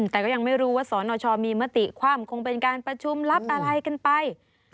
แต่ก็ยังไม่รู้ว่าสนชมีมติคว่ำคงเป็นการประชุมรับอะไรกันไป